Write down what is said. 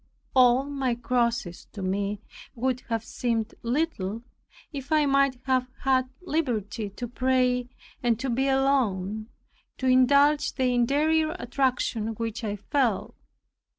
All my crosses to me would have seemed little, if I might have had liberty to pray and to be alone, to indulge the interior attraction which I felt.